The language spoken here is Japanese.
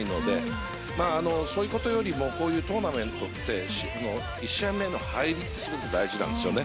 そういうことよりもトーナメントの１試合目の入りってすごく大事なんですよね。